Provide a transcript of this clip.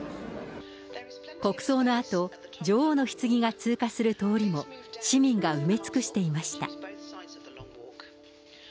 国葬のあと、女王のひつぎが通過する通りも、市民が埋め尽くしていました。